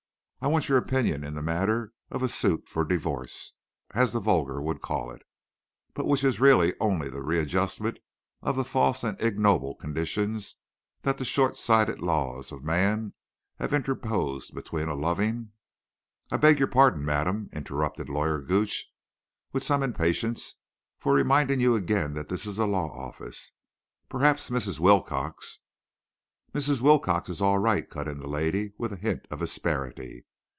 I want your opinion in the matter of a suit for divorce, as the vulgar would call it, but which is really only the readjustment of the false and ignoble conditions that the short sighted laws of man have interposed between a loving—" "I beg your pardon, madam," interrupted Lawyer Gooch, with some impatience, "for reminding you again that this is a law office. Perhaps Mrs. Wilcox—" "Mrs. Wilcox is all right," cut in the lady, with a hint of asperity.